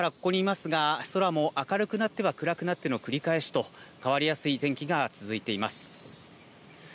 けさからここにいますが空も明るくなっては暗くなっての繰り返しと変わりやすい天気が続いています。